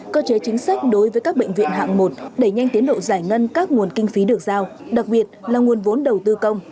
cơ chế chính sách đối với các bệnh viện hạng một đẩy nhanh tiến độ giải ngân các nguồn kinh phí được giao đặc biệt là nguồn vốn đầu tư công